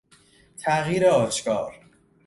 تغییر آشکار